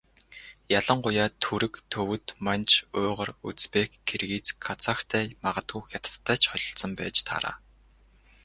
Ялангуяа Түрэг, Төвөд, Манж, Уйгар, Узбек, Киргиз, Казахтай магадгүй Хятадтай ч холилдсон байж таараа.